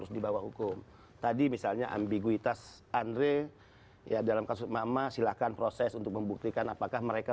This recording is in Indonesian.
soalnya ambiguitas andre ya dalam kasus mama silakan proses untuk membuktikan apakah mereka